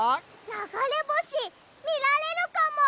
ながれぼしみられるかも！